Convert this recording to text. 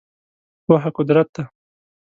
پوهه قدرت دی .